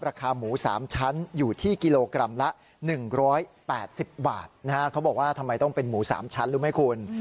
ราคาหมูสามชั้นอยู่ที่กิโลกรัมละหนึ่งร้อยแปดสิบบาทนะฮะเขาบอกว่าทำไมต้องเป็นหมูสามชั้นรู้ไหมคุณ